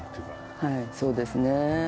はいそうですね。